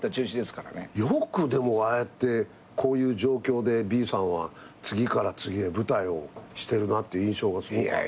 よくでもああやってこういう状況でＢさんは次から次へ舞台をしてるなっていう印象がすごくある。